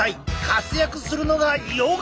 活躍するのがヨガ！